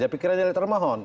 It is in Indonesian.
dia pikir saja dia termohon